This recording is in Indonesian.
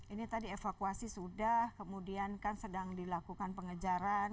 ini tadi evakuasi sudah kemudian kan sedang dilakukan pengejaran